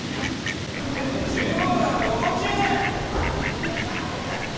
お前誰だよ！